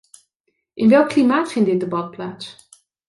In welk klimaat vindt dit debat plaats?